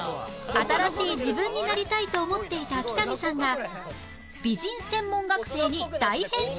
新しい自分になりたいと思っていた北見さんが美人専門学生に大変身！